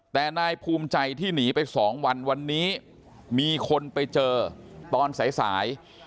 แต่นายภูมิใจที่หนีไป๒วันวันนี้มีคนไปเจอตอนสาย